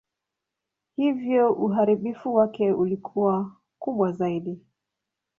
Hivyo uharibifu wake ulikuwa kubwa zaidi.